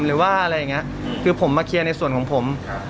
หรือว่าอะไรอย่างเงี้ยคือผมมาเคลียร์ในส่วนของผมครับ